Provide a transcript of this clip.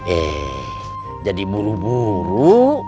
eh jadi buru buru